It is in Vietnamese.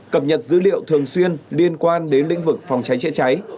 cập nhật dữ liệu thường xuyên liên quan đến lĩnh vực phòng cháy chữa cháy